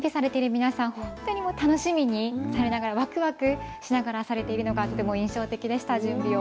本当に皆さん楽しみにされながらわくわくしながらされているのがとても印象的でした。